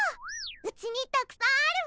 うちにたくさんあるわ！